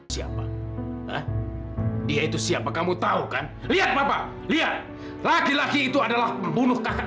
sampai jumpa di video selanjutnya